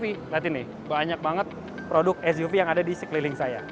lihat ini banyak banget produk suv yang ada di sekeliling saya